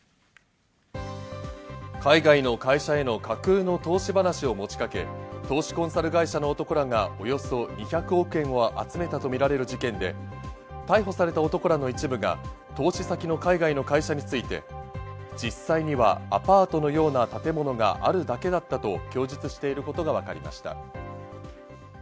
海外の会社への架空の投資話を持ちかけ、投資コンサル会社の男らが、およそ２００億円を集めたとみられる事件で、逮捕された男らの一部が投資先の海外の会社について、実際にはアパートのような建物があるだけだったと供述していることがわかりました。